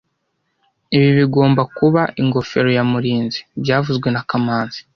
Ibi bigomba kuba ingofero ya Murinzi byavuzwe na kamanzi